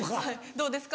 どうですか？